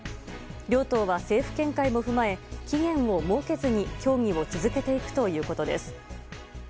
両党は政府見解も踏まえ期限を設けずに協議を続けていくということです。